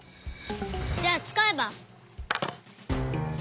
じゃあつかえば。